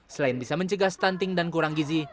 selain bisa mencegah stunting dan kurang gizi